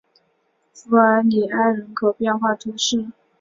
弗尔里埃人口变化图示